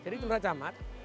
jadi lurah camat